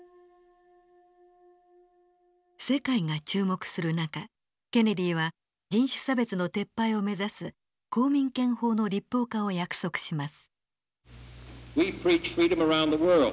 世界が注目する中ケネディは人種差別の撤廃を目指す公民権法の立法化を約束します。